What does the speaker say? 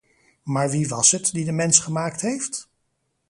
Maar wie was het, die de mens gemaakt heeft?